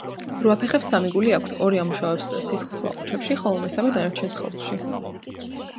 რვაფეხებს სამი გული აქვთ: ორი გული ამუშავებს სისხლს ლაყუჩებში, ხოლო მესამე – დანარჩენ სხეულში